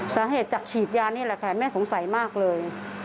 สาเหตุจากฉีดยานี่แหละค่ะแม่สงสัยมากเลย